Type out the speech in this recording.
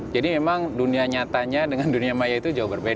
jadi memang dunia nyatanya dengan dunia maya itu jauh berbeda